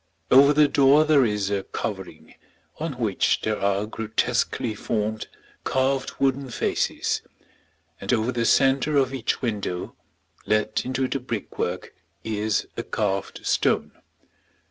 Over the door there is a covering, on which there are grotesquely formed, carved wooden faces; and over the centre of each window, let into the brickwork, is a carved stone.